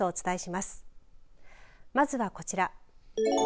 まずはこちら。